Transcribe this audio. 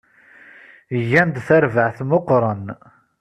Gan-d tarbaɛt meqqren.